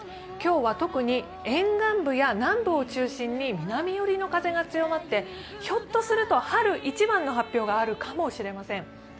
今日は特に沿岸部や南部を中心に南寄りの風が強まってひょっとすると春一番の発表があるかもしれません。